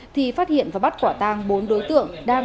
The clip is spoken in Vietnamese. thì phát hiện và bắt quả tang bốn đối tượng